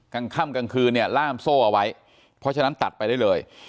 กลางค่ำกลางคืนเนี่ยล่ามโซ่เอาไว้เพราะฉะนั้นตัดไปได้เลย